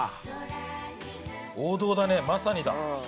王道だねまさにだ。